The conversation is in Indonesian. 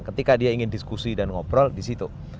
ketika dia ingin diskusi dan ngobrol disitu